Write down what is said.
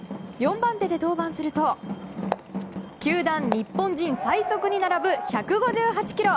４番手で登板すると球団日本人最速に並ぶ１５８キロ。